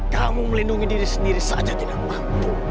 kamu melindungi diri sendiri saja tidak mampu